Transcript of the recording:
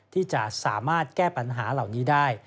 ที่จะสามารถแก้ปัญหาเหล่านี้ได้